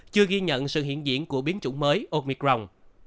chưa ghi nhận sự hiện diện của biến chủng mới omicron